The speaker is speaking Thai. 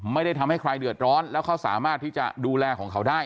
ไม่ได้ทำให้ใครเดือดร้อนแล้วเขาสามารถที่จะดูแลของเขาได้